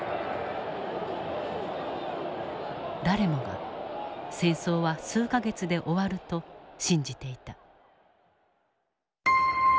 誰もが戦争は数か月で終わると信じていた。